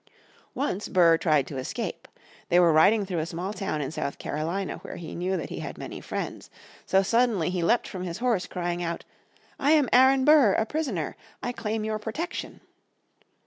Once Burr tried to escape. They were riding through a small town in South Carolina where he knew that he had many friends. So suddenly he leapt from his horse crying out, "I am Aron Burr, a prisoner. I claim your protection."